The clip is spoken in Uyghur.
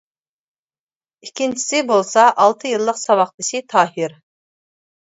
ئىككىنچىسى بولسا ئالتە يىللىق ساۋاقدىشى تاھىر.